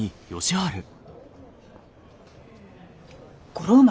五郎丸